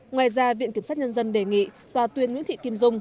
ngoài ra viện kiểm sát nhân dân đề nghị tòa tuyên nguyễn thị kim dung